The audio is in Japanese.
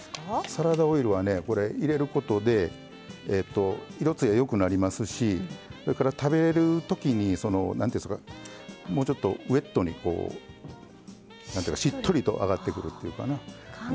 サラダオイルはねこれ入れることで色つや良くなりますしそれから食べるときにもうちょっとウエットに何ていうかしっとりとあがってくるっていうかな。